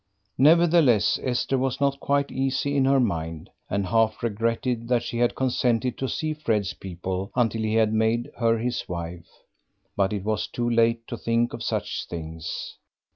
Nevertheless Esther was not quite easy in her mind, and half regretted that she had consented to see Fred's people until he had made her his wife. But it was too late to think of such things.